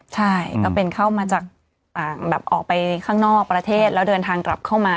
ใช่ก็เป็นเข้ามาจากต่างแบบออกไปข้างนอกประเทศแล้วเดินทางกลับเข้ามา